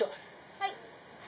はい。